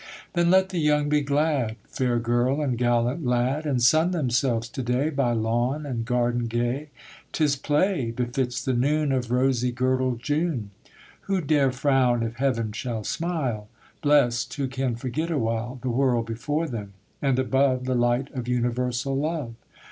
Then let the young be glad, Fair girl and gallant lad, And sun themselves to day By lawn and garden gay; 'Tis play befits the noon Of rosy girdled June: Who dare frown if heaven shall smile? Blest, who can forget a while; The world before them, and above The light of universal love.